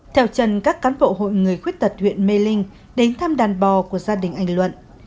theo trần các cán bộ hội người khuyết tật huyện mê linh đến thăm đàn bò của gia đình anh luận